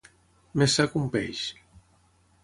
Més sa que un peix.